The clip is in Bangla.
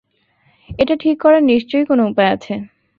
এটা ঠিক করার নিশ্চয়ই কোনো উপায় আছে।